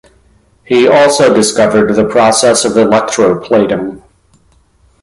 He also discovered the process of electroplating.